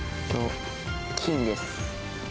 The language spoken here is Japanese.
金です。